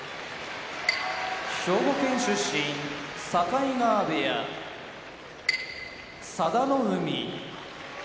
兵庫県出身境川部屋佐田の海